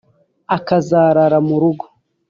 akazarara mu rugo.